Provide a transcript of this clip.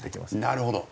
なるほど。